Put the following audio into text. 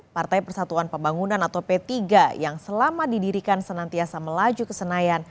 partai persatuan pembangunan atau p tiga yang selama didirikan senantiasa melaju ke senayan